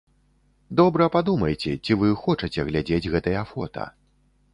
Добра падумайце, ці вы хочаце глядзець гэтыя фота.